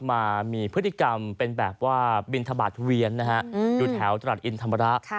มามีพฤติกรรมเป็นแบบว่าบินทบาทเวียนนะฮะอยู่แถวตรัสอินธรรมระ